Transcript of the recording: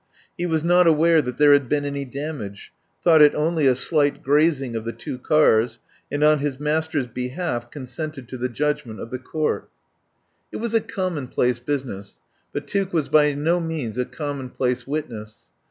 He was not aware that there had been any dam age, thought it only a slight grazing of the two cars, and on his master's behalf consented to the judgment of the court. 32 I FIRST HEAR OF ANDREW LUMLEY It was a commonplace business, but Tuke was by no means a commonplace witness.